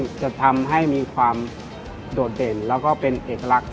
จะทำให้มีความโดดเด่นแล้วก็เป็นเอกลักษณ์